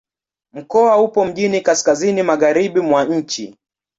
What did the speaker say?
Mkoa upo mjini kaskazini-magharibi mwa nchi.